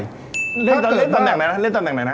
เล่นตำแหน่งไหนนะ